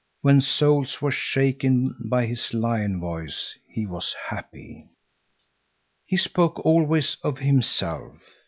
When souls were shaken by his lion voice, he was happy. He spoke always of himself.